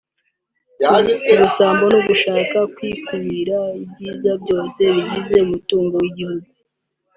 ku busambo no gushaka kwikubira ibyiza byose bigize umutungo w’igihugu